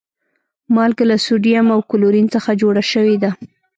مالګه له سودیم او کلورین څخه جوړه شوی ده